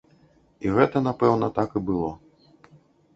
І гэта, напэўна, так і было.